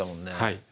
はい。